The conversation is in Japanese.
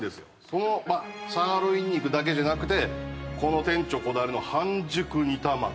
そのサーロイン肉だけじゃなくてこの店長こだわりの半熟煮卵